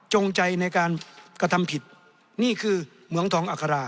จงใจในการกระทำผิดนี่คือเหมืองทองอัครา